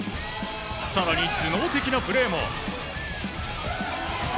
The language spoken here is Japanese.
更に頭脳的なプレーも。